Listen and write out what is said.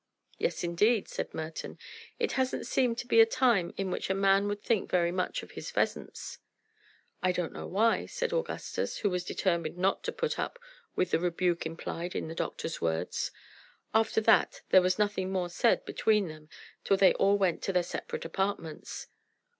"Yes, indeed," said Merton. "It hasn't seemed to be a time in which a man would think very much of his pheasants." "I don't know why," said Augustus, who was determined not to put up with the rebuke implied in the doctor's words. After that there was nothing more said between them till they all went to their separate apartments.